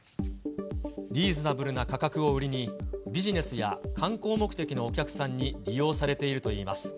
リーズナブルな価格を売りに、ビジネスや観光目的のお客さんに利用されているといいます。